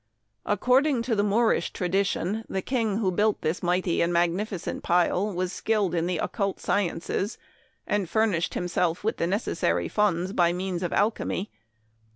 According to the Moorish tradition, the king who built this mighty and magnificent pile was skilled in the occult sciences, and furnished himself with the necessary funds by means of alchemy.